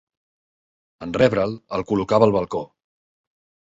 En rebre'l, el col·locava al balcó.